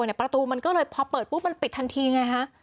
ประตูมันก็เลยพอเปิดปุ๊บมันปิดทันทีไงฮะ